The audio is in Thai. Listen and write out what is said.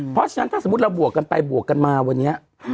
เพราะฉะนั้นถ้าสมมุติเราบวกกันไปบวกกันมาวันนี้